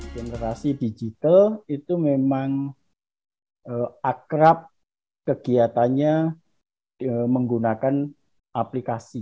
generasi digital itu memang akrab kegiatannya menggunakan aplikasi